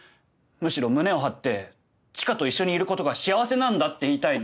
むしろ胸を張って知花と一緒にいることが幸せなんだって言いたい。